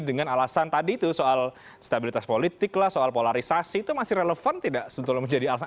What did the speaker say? dengan alasan tadi itu soal stabilitas politik lah soal polarisasi itu masih relevan tidak sebetulnya menjadi alasan